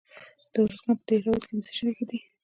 د ارزګان په دهراوود کې د څه شي نښې دي؟